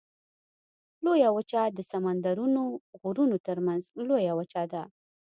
لویه وچه د سمندرونو غرونو ترمنځ لویه وچه ده.